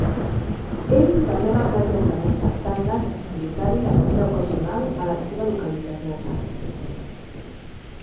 Ell també representa en espectacles en solitari de manera ocasional a la seva localitat natal.